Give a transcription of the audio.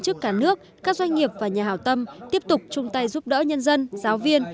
chức cả nước các doanh nghiệp và nhà hào tâm tiếp tục chung tay giúp đỡ nhân dân giáo viên